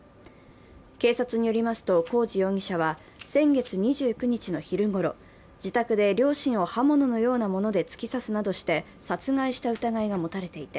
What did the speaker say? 警察によりますと浩志容疑者は先月２９日の昼ごろ、自宅で両親を刃物のようなもので突き刺すなどして殺害した疑いが持たれていて、